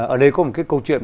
ở đây có một câu chuyện